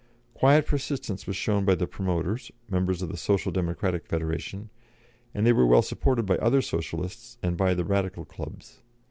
Quiet persistence was shown by the promoters members of the Social Democratic Federation and they were well supported by other Socialists and by the Radical clubs.